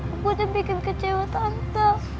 aku udah bikin kecewa tante